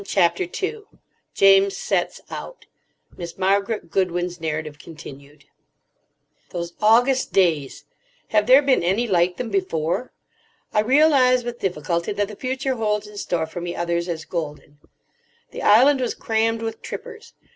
CHAPTER 2 JAMES SETS OUT (Miss Margaret Goodwin's narrative continued) Those August days! Have there been any like them before? I realise with difficulty that the future holds in store for me others as golden. The island was crammed with trippers.